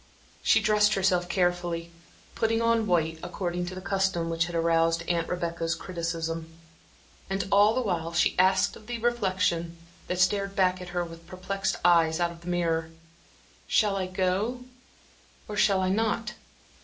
She dressed herself carefully, putting on white, according to the custom which had aroused Aunt Rebecca's criticism; and all the while she asked of the reflection that stared back at her with perplexed eyes out of the mirror: "Shall I go, or shall I not?"